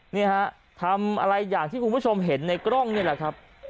นี่ฮะทำอะไรอย่างที่คุณผู้ชมเห็นในกล้องนี่แหละครับ